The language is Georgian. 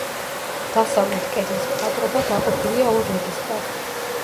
დასავლეთ კედლის მხატვრობა დაყოფილია ორ რეგისტრად.